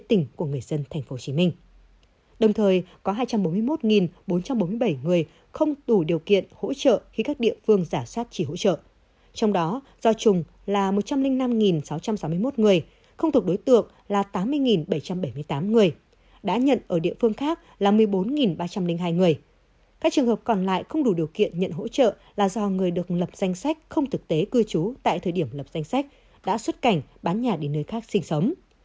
trường hợp còn lại không đủ điều kiện nhận hỗ trợ là do người được lập danh sách không thực tế cư trú tại thời điểm lập danh sách đã xuất cảnh bán nhà đi nơi khác sinh sống